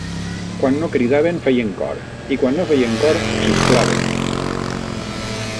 Quan no cridaven feien cor, i quan no feien cor xisclaven